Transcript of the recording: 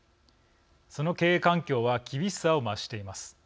その経営環境は厳しさを増しています。